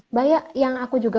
mbak ya yang aku juga